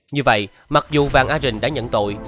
như vậy mặc dù vàng a rình đã nhận tội